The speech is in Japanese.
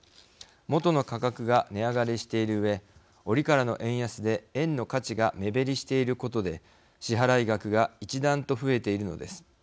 元の価格が値上がりしているうえおりからの円安で円の価値が目減りしていることで支払い額が一段と増えているのです。